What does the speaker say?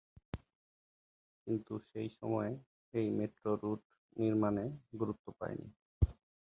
কিন্তু সেই সময়ে এই মেট্রো রুট নির্মাণে গুরুত্ব পায়নি।